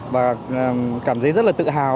và cảm thấy rất là tự hào